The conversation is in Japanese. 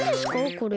これ。